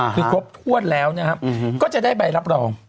คือครบถ้วนแล้วนะครับก็จะได้ใบรับรอง